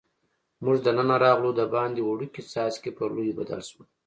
موږ دننه راغلو، دباندې وړوکي څاڅکي پر لویو بدل شول.